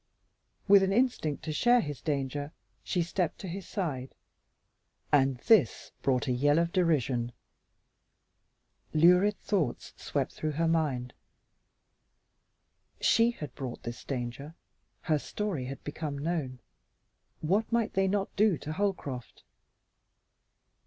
With an instinct to share his danger she stepped to his side, and this brought a yell of derision. Lurid thoughts swept through her mind. She had brought this danger. Her story had become known. What might they not do to Holcroft?